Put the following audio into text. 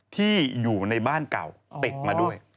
ที่อยู่ในบ้านเก่าติดมาด้วย